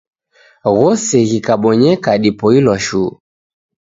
Ghose ghikabonyeka dipoilwa shuu.